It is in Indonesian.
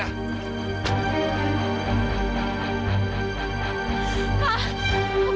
sedikit masih berumur